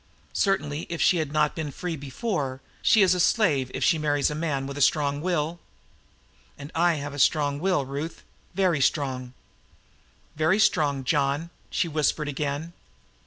Certainly, if she had not been free before, she is a slave if she marries a man with a strong will. And I have a strong will, Ruth very strong!" "Very strong, John," she whispered again.